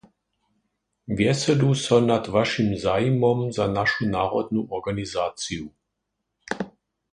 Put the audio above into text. Wjeselu so nad Wašim zajimom za našu narodnu organizaciju.